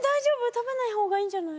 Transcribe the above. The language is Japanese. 食べない方がいいんじゃない？